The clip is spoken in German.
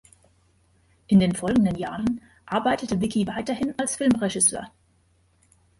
In den folgenden Jahren arbeitete Wicki weiterhin als Filmregisseur.